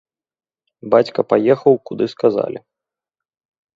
Бацька паехаў, куды сказалі.